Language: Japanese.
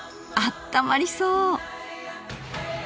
あったまりそう！